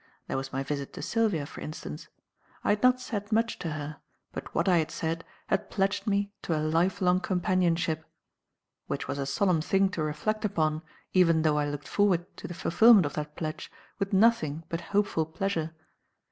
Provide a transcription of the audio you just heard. There was my visit to Sylvia, for instance. I had not said much to her, but what I had said had pledged me to a life long companionship; which was a solemn thing to reflect upon even though I looked forward to the fulfilment of that pledge with nothing but hopeful pleasure.